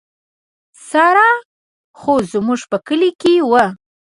ساړه خو زموږ په کلي کې وو.